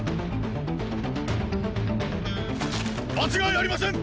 間違いありません！